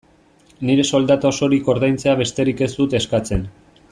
Nire soldata osorik ordaintzea besterik ez dut eskatzen.